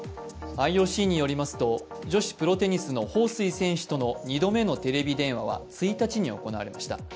ＩＯＣによりますと、女子プロテニスの彭帥選手との２度目のテレビ電話は１日に行われました。